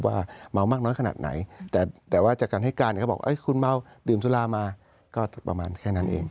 ว่าเมามากน้อยขนาดไหนแต่ว่าจากการให้การเขาบอกคุณเมาดื่มสุรามาก็ประมาณแค่นั้นเอง